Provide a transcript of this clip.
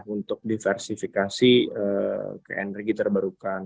untuk diversifikasi ke energi terbarukan